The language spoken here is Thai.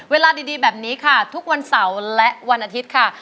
เวลาดีแบบนี้ค่ะทุกวันเสาร์และวันอาทิตย์ค่ะ